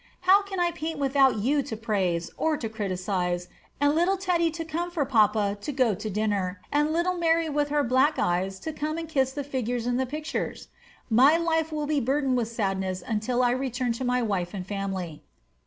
How can I paint without you to praise, or to criticize, and little Theddy to come for papa to go to dinner, and little Mary with her black eyes to come and kiss the figures in the pictures?... My life will be burdened with sadness until I return to my wife and family."